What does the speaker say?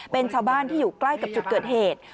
เป็นชาวบ้านที่อยู่ใกล้กับจุดเกิดเหตุ